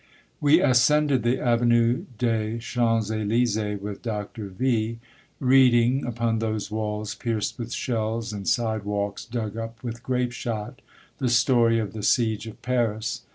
We ascended the Avenue des Champs filysees with Doctor V , reading, upon those walls pierced with shells and sidewalks dug up with grapeshot, the story of the Siege of Paris.